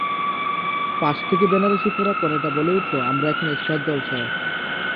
পাশ থেকে বেনারসি পরা কনেটা বলে উঠল " আমরা এখন স্টার জলসায় আছি।